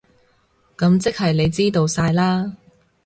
噉即係你知道晒喇？